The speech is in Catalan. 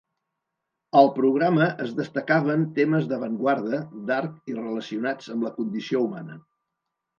Al programa es destacaven temes d'avantguarda, d'art i relacionats amb la condició humana.